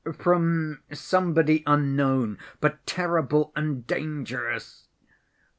From somebody unknown, but terrible and dangerous.